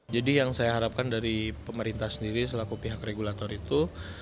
jadi yang saya harapkan dari pemerintah sendiri selaku pihak regulator itu